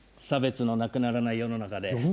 差別のなくならない世の中で。